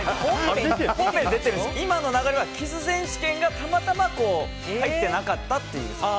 今の流れはキス選手権がたまたま入っていなかったという。